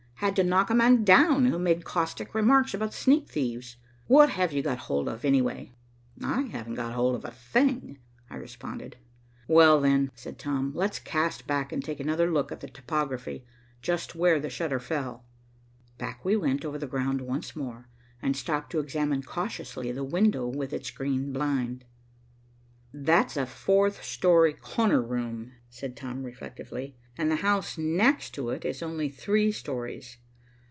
Had to knock a man down who made caustic remarks about sneak thieves. What have you got hold of, anyway?" "Haven't got hold of a thing," I responded. "Well, then," said Tom, "let's cast back and take another look at the topography, just where the shutter fell." Back we went over the ground once more, and stopped to examine cautiously the window with its green blind. "That's a fourth story corner room," said Tom reflectively, "and the house next to it is only three stories.